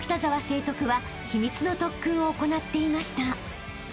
成徳は秘密の特訓を行っていました］